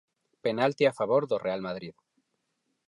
Penalti a favor do Real Madrid.